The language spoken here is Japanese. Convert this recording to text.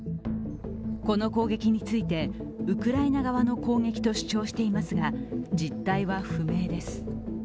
この攻撃について、ウクライナ側の攻撃と主張していますが実態は不明です。